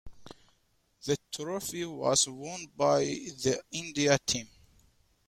The Trophy was won by the India team.